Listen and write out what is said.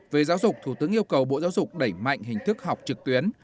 về giáo dục thủ tướng yêu cầu bộ giáo dục đẩy mạnh hình thức học trực tuyến